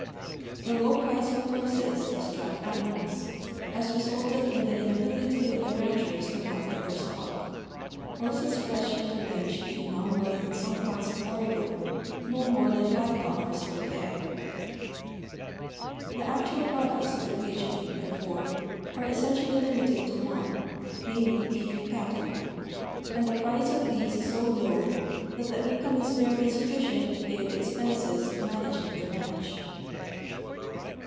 The low price of horses, as draft animals, has resulted in the inability of the ranchers to market their stock, horses fresh from the range being now worth in some parts of Oregon no more than five dollars per head. The actual i)roducts of the region, therefore, are essential!}'' limited to one, namely, beef cattle, and the price of these is so low that the income is barely sufficient to pay the expenses of managing the ranch.